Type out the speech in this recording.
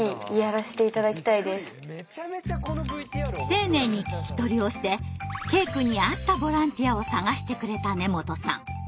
丁寧に聞き取りをしてケイくんに合ったボランティアを探してくれた根本さん。